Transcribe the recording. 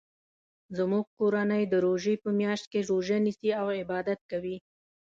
زموږ کورنۍ د روژی په میاشت کې روژه نیسي او عبادت کوي